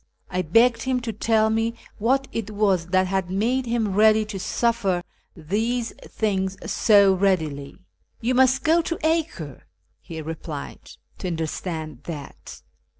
I begged him to tell me what it was that had made him ready to suffer these things so readily. "You must go to Acre," he replied, " to understand that."